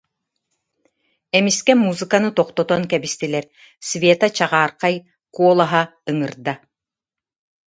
Эмискэ музыканы тохтотон кэбистилэр, Света чаҕаархай куолаһа ыҥырда: